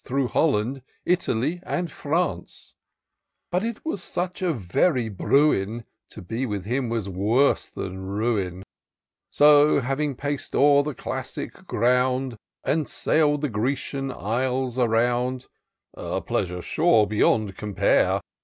Through Holland, Italy, and France ; But it was such a very Bruin, To be with him was worse than ruin ; So, having pac'd o'er classic ground. And sail'd the Grecian Isles around, (A pleasure, sure, beyond compare.